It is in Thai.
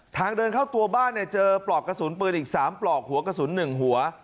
ทางเดินเข้าตัวบ้านเนี่ยเจอปลอกกระสุนปืนอีก๓ปลอกหัวกระสุน๑หัว